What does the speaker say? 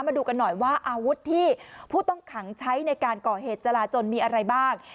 มาดูกันหน่อยว่าอาวุธที่ผู้ต้องขังใช้ในการก่อเหตุจราจนมีอะไรบ้าง